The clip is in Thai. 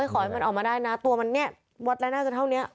ขอให้มันออกมาได้นะตัวมันเนี่ยวัดแล้วน่าจะเท่านี้